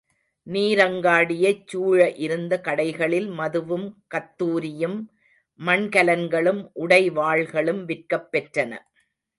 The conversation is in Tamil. நீரங்காடியைச் சூழ இருந்த கடைகளில் மதுவும் கத்தூரியும் மண்கலன்களும் உடை வகைகளும் விற்கப் பெற்றன.